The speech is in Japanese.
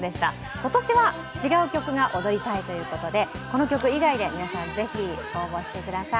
今年は違う曲が踊りたいということでこの曲以外で皆さん、是非応募してください。